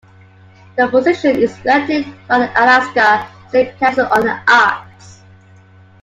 The position is selected by the Alaska State Council on the Arts.